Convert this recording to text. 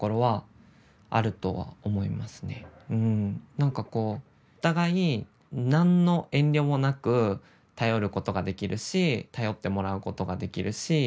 なんかこうお互い何の遠慮もなく頼ることができるし頼ってもらうことができるし。